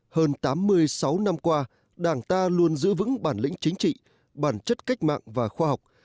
hơn tám mươi sáu năm qua đảng ta luôn giữ vững bản lĩnh chính trị bản chất cách mạng và khoa học